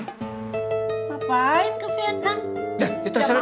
ngapain ke vietnam